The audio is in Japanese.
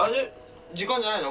時間じゃないの？